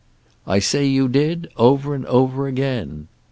"I say you did, over and over again."